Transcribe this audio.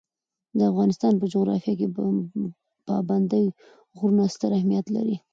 د افغانستان په جغرافیه کې پابندي غرونه ستر اهمیت لري.